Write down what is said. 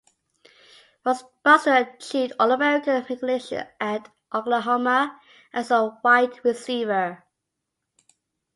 Buster achieved All-American recognition at Oklahoma as a wide receiver.